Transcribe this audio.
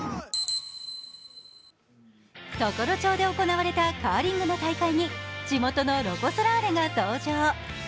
常呂町で行われたカーリングの大会に地元のロコ・ソラーレが登場。